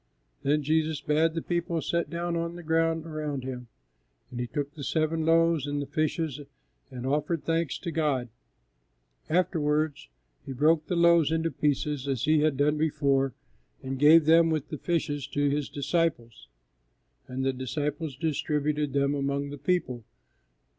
Then Jesus bade the people sit down on the ground around Him, and He took the seven loaves and the fishes and offered thanks to God; afterwards, He broke the loaves into pieces as He had done before and gave them, with the fishes, to His disciples, and the disciples distributed them among the people.